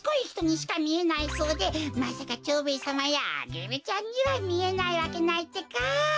ひとにしかみえないそうでまさか蝶兵衛さまやアゲルちゃんにはみえないわけないってか。